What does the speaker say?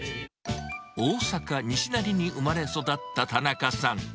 大阪・西成に生まれ育った田中さん。